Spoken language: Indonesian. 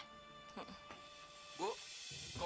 pokoknya aisyah bakal ngelakuin apa aja sama poesa buat ibu